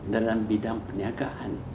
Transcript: dalam bidang perniagaan